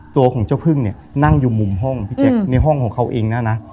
ตัวของเจ้าพึ่งเนี่ยนั่งอยู่มุมห้องพี่แจ๊คในห้องของเขาเองนะนะ